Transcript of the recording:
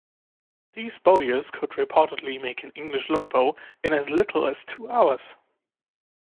These bowyers could reportedly make an English longbow in as little as two hours.